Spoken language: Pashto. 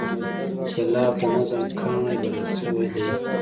سېلاب د نظم کاڼی بلل شوی دی.